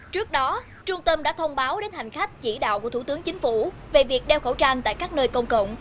trước đó trung tâm đã thông báo đến hành khách chỉ đạo của thủ tướng chính phủ về việc đeo khẩu trang tại các nơi công cộng